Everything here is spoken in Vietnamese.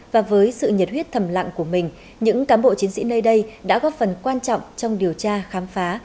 và với sự nhiệt huyết thầm lặng của mình những cán bộ chiến sĩ nơi đây đã góp phần quan trọng trong điều tra khám phá